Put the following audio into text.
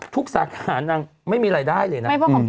ทุกสาขานักไม่มีอะไรได้เลย